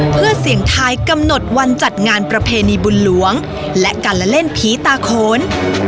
เพื่อเสี่ยงทายกำหนดวันจัดงานประเพณีบุญหลวงและการละเล่นผีตาโขน